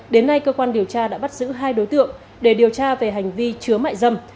đến nay cơ quan điều tra đã bắt giữ hai đối tượng để điều tra về hành vi chứa mại dâm